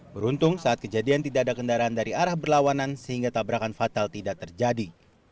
beruntung saat kejadian tidak ada kendaraan dari arah berlawanan sehingga tabrakan fatal tidak terjadi